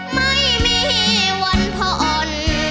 ไม่มีวันผ่อน